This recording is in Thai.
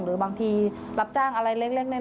หรือบางทีรับจ้างอะไรเล็กน้อยอย่างนี้ค่ะ